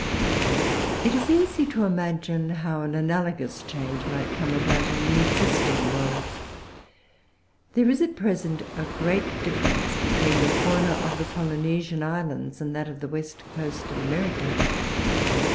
It is easy to imagine how an analogous change might come about in the existing world. There is, at present, a great difference between the fauna of the Polynesian Islands and that of the west coast of America.